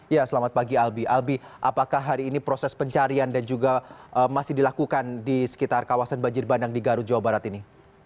ya selamat pagi albi albi apakah hari ini proses pencarian dan juga masih dilakukan di sekitar kawasan banjir bandang di garut jawa barat ini